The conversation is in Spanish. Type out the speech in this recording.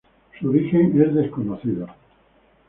Su origen es desconocido.